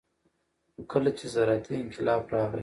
خو کله چې زراعتي انقلاب راغى